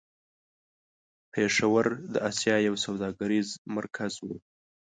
پېښور د آسيا يو سوداګريز مرکز و.